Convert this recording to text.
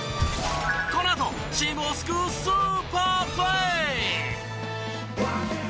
このあとチームを救うスーパープレー！